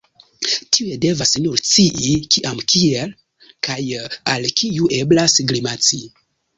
Tiuj devas nur scii, kiam, kie, kaj al kiu eblas grimaci.